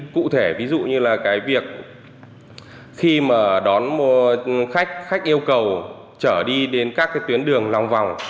cụ thể ví dụ như là việc khi đón khách khách yêu cầu chở đi đến các tuyến đường lòng vòng